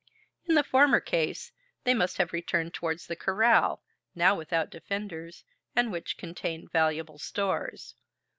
In the former case, they must have returned towards the corral, now without defenders, and which contained valuable stores.